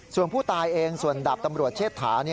ส่วนผู้ตายเองส่วนดาบตำรวจเชษฐา